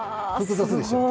複雑でしょ。